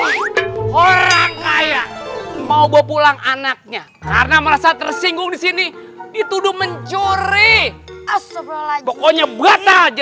ada apa posisi itu dia ngajak pulang anaknya amelia dia bilang mau jadi donat kata dia